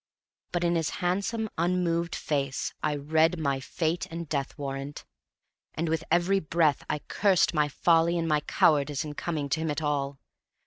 But in his handsome, unmoved face I read my fate and death warrant; and with every breath I cursed my folly and my cowardice in coming to him at all.